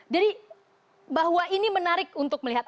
jadi bahwa ini menarik untuk melihat